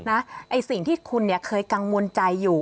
ไอ้สิ่งที่คุณเคยกังวลใจอยู่